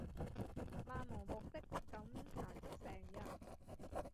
漫無目的咁行足成日